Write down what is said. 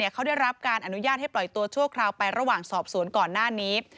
เขาได้รับการอนุญาตให้ปล่อยตัวชั่วคราวไประหว่างสอบสวนก่อนหน้านี้